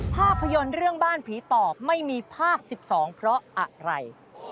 ภาพยนตร์เรื่องบ้านผีปอบไม่มีภาค๑๒เพราะอะไร